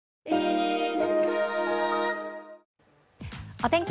お天気